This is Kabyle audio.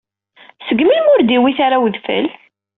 Seg melmi ur d-iwit ara udfel?